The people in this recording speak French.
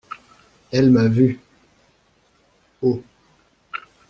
Elle m’a vu… –––––– Haut.